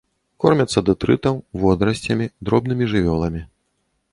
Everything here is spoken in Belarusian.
Кормяцца дэтрытам, водарасцямі, дробнымі жывёламі.